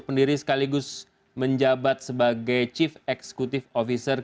pendiri sekaligus menjabat sebagai chief executive officer